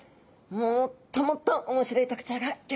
もっともっと面白い特徴がギョざいますよ。